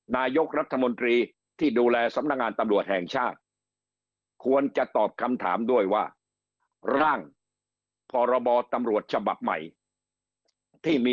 นายกรัฐมนตรีที่ดูแลสำนักงานตำรวจแห่งชาติ